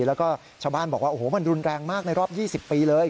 แล้วก็ชาวบ้านบอกว่าโอ้โหมันรุนแรงมากในรอบ๒๐ปีเลย